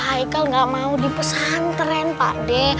haikal nggak mau di pesanterian pak de